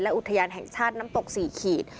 อุทยานแห่งชาติน้ำตก๔ขีด